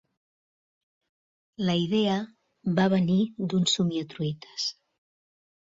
La idea va venir d'un somiatruites.